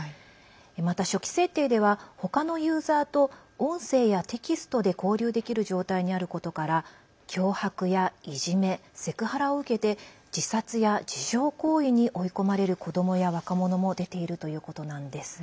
また初期設定ではほかのユーザーと音声やテキストで交流できる状態にあることから脅迫やいじめ、セクハラを受けて自殺や自傷行為に追い込まれる子どもや若者も出ているということなんです。